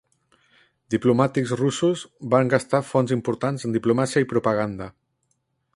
Diplomàtics russos van gastar fons importants en diplomàcia i propaganda.